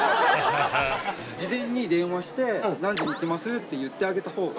事前に電話して「何時に行きます」って言ってあげたほうが。